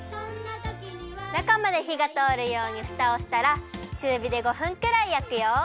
なかまでひがとおるようにフタをしたらちゅうびで５分くらいやくよ。